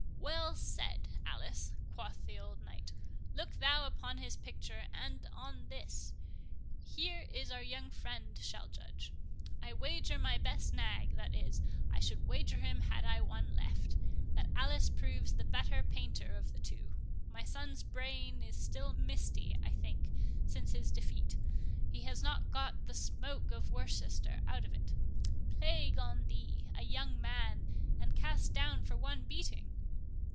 "Well said, Alice," quoth the old knight—"Look thou upon this picture, and on this!—Here is our young friend shall judge. I wager my best nag—that is, I would wager him had I one left—that Alice proves the better painter of the two.—My son's brain is still misty, I think, since his defeat—he has not got the smoke of Worcester out of it. Plague on thee!—a young man, and cast down for one beating?